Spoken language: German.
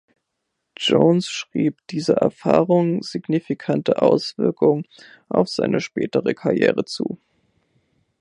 Jones schrieb dieser Erfahrung signifikante Auswirkungen auf seine spätere Karriere zu.